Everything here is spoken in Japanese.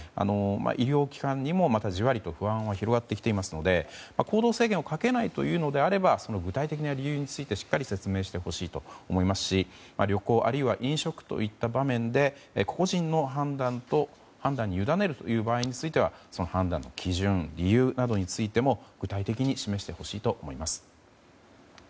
医療機関にもじわりと不安が広がってきているので行動制限をかけないというのであれば具体的な理由についてしっかり説明してほしいと思いますし旅行、あるいは飲食の場面で個人の判断にゆだねる場合についてはその判断の基準理由などについても具体的に示してほしいと思います。